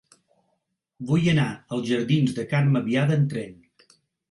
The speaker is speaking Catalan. Vull anar als jardins de Carme Biada amb tren.